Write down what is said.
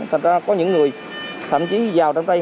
thật ra có những người thậm chí vào trong đây